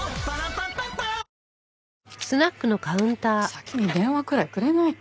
先に電話くらいくれないと。